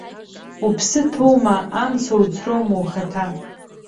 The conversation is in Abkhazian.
Уԥсы ҭоума, амца уцроума ухаҭа?